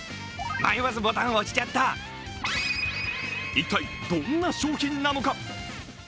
一体どんな商品なのか。